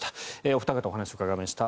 お二方にお話をお伺いしました。